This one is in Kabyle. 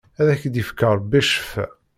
Ad ak-d-ifk Rebbi Ccfa!